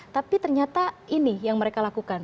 tapi ternyata ini yang mereka lakukan